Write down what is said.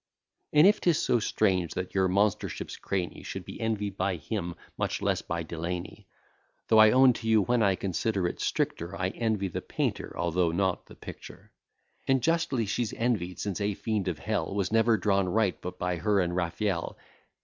And if 'tis so strange, that your monstership's crany Should be envied by him, much less by Delany; Though I own to you, when I consider it stricter, I envy the painter, although not the picture. And justly she's envied, since a fiend of Hell Was never drawn right but by her and Raphael.